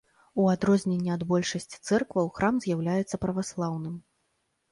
У адрозненне ад большасці цэркваў, храм з'яўляецца праваслаўным.